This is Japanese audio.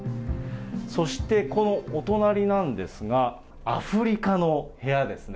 そしてこのお隣なんですが、アフリカの部屋ですね。